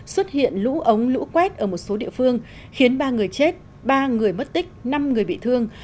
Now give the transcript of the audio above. xuất hiện lũ ống lũ quét ở một số địa phương khiến ba người chết ba người mất tích năm người bị thương